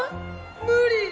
無理！